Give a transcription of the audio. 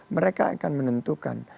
mereka akan menentukan